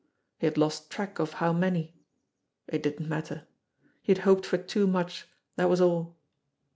He had lost track of how many! It didn't matter. He had hoped for too much, that was all.